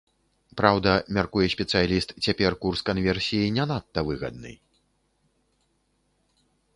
Праўда, мяркуе спецыяліст, цяпер курс канверсіі не надта выгадны.